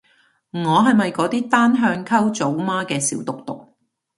我係咪嗰啲單向溝組媽嘅小毒毒